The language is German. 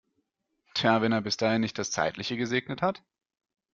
Tja, wenn er bis dahin nicht das Zeitliche gesegnet hat!